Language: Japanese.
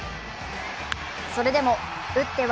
それでも打っては